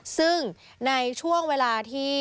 ซึ่งในช่วงเวลาที่